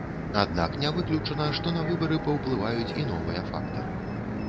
Аднак не выключана, што на выбары паўплываюць і новыя фактары.